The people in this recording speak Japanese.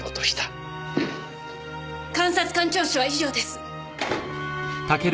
監察官聴取は以上です。